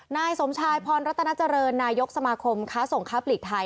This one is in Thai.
นายสมชายพรรัตนาเจริญนายกสมาคมค้าส่งค้าปลีกไทย